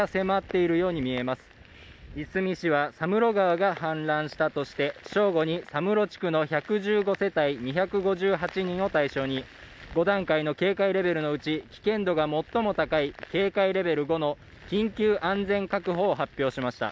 いすみ市は佐室川が氾濫したとして正午に作務路地区の佐室地区の１１５世帯、２５８人を対象に５段階の警戒レベルのうち危険度が最も高いレベル５の緊急安全確保を発表しました。